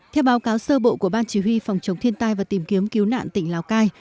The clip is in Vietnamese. theo báo cáo sơ bộ của ban chỉ huy phòng chống thiên tai và tìm kiếm cứu nạn tỉnh lào cai